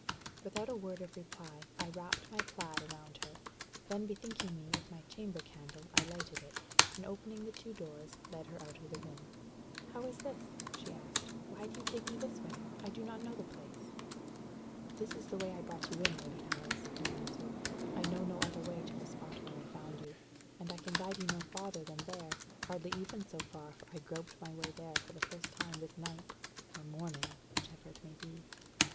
Without a word of reply, I wrapped my plaid about her. Then bethinking me of my chamber candle, I lighted it, and opening the two doors, led her out of the room. "How is this?" she asked. "Why do you take me this way? I do not know the place." "This is the way I brought you in, Lady Alice," I answered. "I know no other way to the spot where I found you. And I can guide you no farther than there hardly even so far, for I groped my way there for the first time this night or morning whichever it may be."